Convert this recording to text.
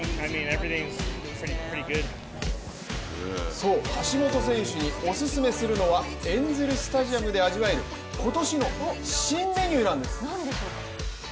そう、橋本選手におすすめするのはエンゼル・スタジアムで味わえる今年の新メニューなんです。